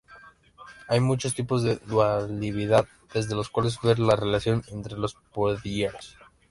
Hay muchos tipos de dualidad desde los cuales ver la relación entre los poliedros.